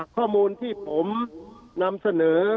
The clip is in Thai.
ข้อมูลที่ผมนำสำคัญได้อย่างไรยังไง